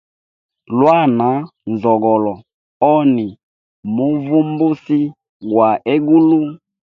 Iya na nzogolo, oni muvumbusi gwa egulu.